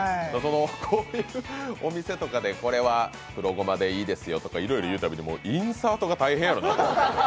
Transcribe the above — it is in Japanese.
こういうお店とかでこれはくろごまでいいですよとかいろいろ言うたびに、インサートが大変やろなと思って。